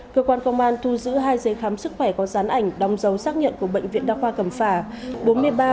cơ quan công an thu giữ hai giấy khám sức khỏe có gián ảnh đóng dấu xác nhận của bệnh viện đa khoa cầm phả